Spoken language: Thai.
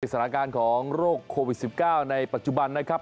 สถานการณ์ของโรคโควิด๑๙ในปัจจุบันนะครับ